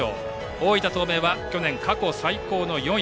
大分東明は去年、過去最高の４位。